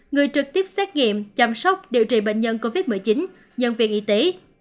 người trực tiếp xét nghiệm chăm sóc điều trị bệnh nhân covid một mươi chín nhân viên y tế